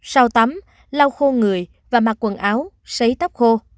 sau tắm lau khô người và mặc quần áo sấy tóc khô